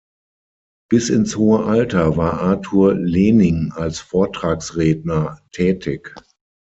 Bis ins hohe Alter war Arthur Lehning als Vortragsredner tätig.